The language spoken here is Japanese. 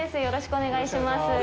よろしくお願いします。